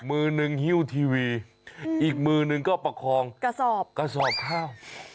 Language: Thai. มือนึงหิ้วทีวีอีกมือนึงก็ประคองกระสอบข้าว